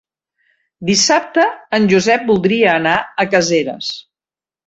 Dissabte en Josep voldria anar a Caseres.